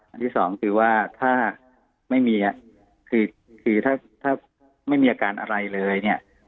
อันที่สองคือว่าถ้าไม่มีอาการอะไรเลยเนี่ย